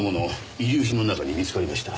遺留品の中に見つかりました。